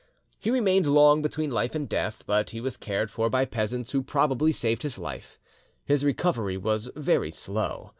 He remained long between life and death, but he was cared for by peasants who probably saved his life; his recovery was very slow.